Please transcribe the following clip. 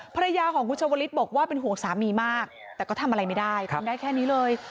ภรรยาของคุณชาวลิศบอกว่าเป็นห่วงสามีมากแต่ก็ทำอะไรไม่ได้ทำได้แค่นี้เลย